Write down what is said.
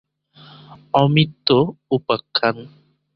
অমৃত উপাখ্যান